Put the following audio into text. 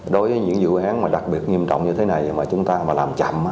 đối với những dự án đặc biệt nghiêm trọng như thế này mà chúng ta làm chậm